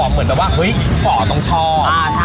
เหมือนฝ่อต้องชอบ